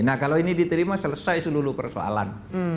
nah kalau ini diterima selesai seluruh persoalan